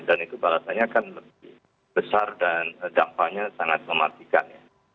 dan itu balasannya akan lebih besar dan dampaknya sangat memastikan